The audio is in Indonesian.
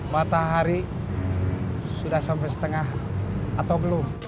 matahari sudah sampai setengah atau belum